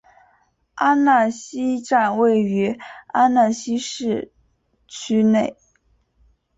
阿讷西站位于阿讷西市区内。